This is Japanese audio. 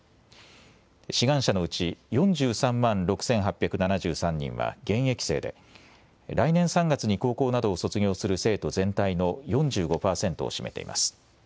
志願者のうち４３万６８７３人は現役生で来年３月に高校などを卒業する生徒全体の４５％を占めています。